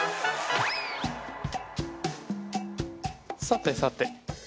さてさて。